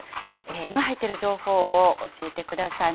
今、入っている情報を教えてください。